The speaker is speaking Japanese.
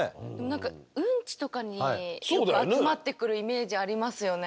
何かウンチとかに集まってくるイメージありますよね。